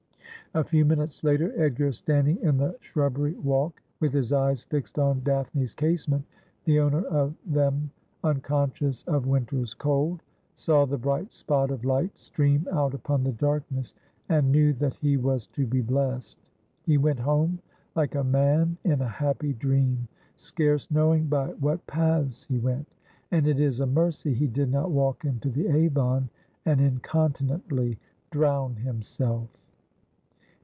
A few minutes later Edgar, standing in the shrubbery walk, with his eyes fixed on Daphne's casement, the owner of them unconscious of winter's cold, saw the bright spot of light stream out upon the darkness, and knew that he was to be blest. He Avent home like a man in a happy dream, scarce knowing by what paths he went ; and it is a mercy he did not walk into the Avon and incontinently drown himself.